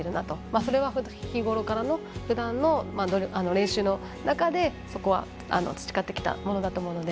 それは日ごろからの、ふだんの練習の中でそこは培ってきたものだと思うので。